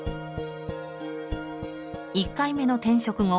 １回目の転職後